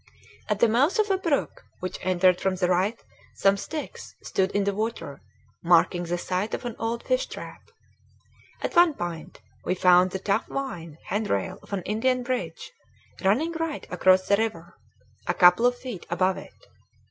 At the mouth of a brook which entered from the right some sticks stood in the water, marking the site of an old fish trap. At one point we found the tough vine hand rail of an Indian bridge running right across the river, a couple of feet above it.